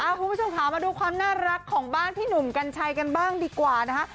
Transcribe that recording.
คุณผู้ชมค่ะมาดูความน่ารักของบ้านพี่หนุ่มกัญชัยกันบ้างดีกว่านะคะ